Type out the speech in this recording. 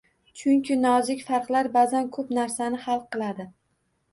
Chunki nozik farqlar ba’zan ko‘p narsani hal qiladi.